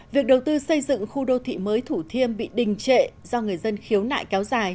việc đầu tư xây dựng khu đô thị mới thủ thiêm bị đình trệ do người dân khiếu nại kéo dài